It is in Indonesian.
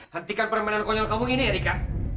hentikan permainan konyol kamu ini erika